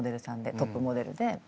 トップモデルで。